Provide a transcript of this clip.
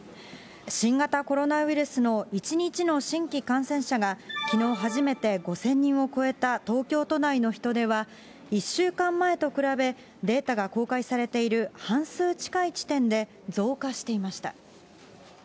新型コロナウイルスの１日の新規感染者がきのう、初めて５０００人を超えた東京都内の人出は、１週間前と比べ、データが公開されている半数近い地点で、増加していました。